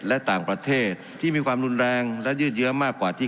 และต่างประเทศที่มีความรุนแรงและยืดเยื้อมากกว่าที่